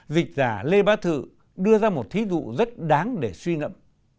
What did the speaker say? dịch giả lê bá thự đưa ra một thí dụ rất đáng để suy ngậm